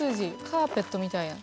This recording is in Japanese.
カーペットみたいや。